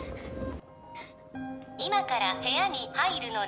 今から部屋に入るので